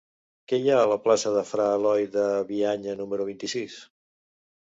Què hi ha a la plaça de Fra Eloi de Bianya número vint-i-sis?